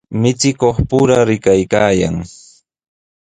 Michikuqpura mikuykaayan.